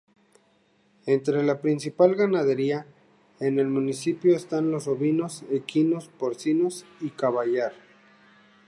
Entre la principal Ganadería en el municipio están los bovinos, equinos, porcinos y caballar.